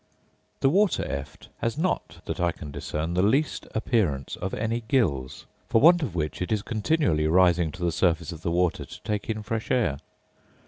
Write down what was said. The water eft has not, that I can discern, the least appearance of any gills; for want of which it is continually rising to the surface of the water to take in fresh air.